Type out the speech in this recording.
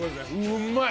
うまい。